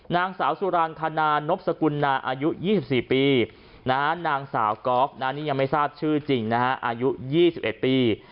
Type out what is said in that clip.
นางสาวสุรางคณานพสกุลนาอายุ๒๔ปีนางสาวก๊อฟอายุ๒๑ปี